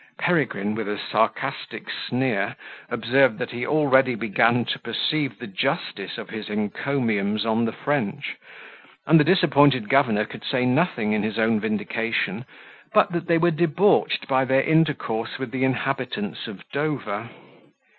Peregrine, with a sarcastic sneer, observed, that he already began to perceive the justice of his encomiums on the French; and the disappointed governor could say nothing in his own vindication, but that they were debauched by their intercourse with the inhabitants of Dover.